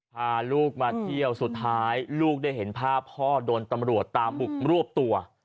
พาลูกมาเที่ยวสุดท้ายลูกได้เห็นภาพพ่อโดนตำรวจตามบุกรวบตัว